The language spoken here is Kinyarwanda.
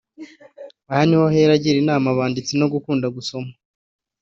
Aha ni ho ahera agira inama abanditsi yo gukunda gusoma